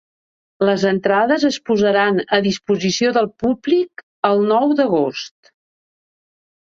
Les entrades es posaran a disposició del públic el nou d’agost.